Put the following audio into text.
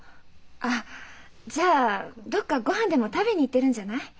あっじゃあどっか御飯でも食べに行ってるんじゃない？